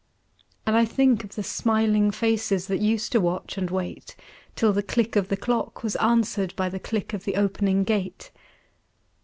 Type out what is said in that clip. And I think of the smiling faces That used to watch and wait, Till the click of the clock was answered By the click of the opening gate.